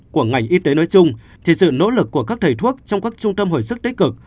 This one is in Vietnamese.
của ngành y tế nói chung thì sự nỗ lực của các thầy thuốc trong các trung tâm hồi sức tích cực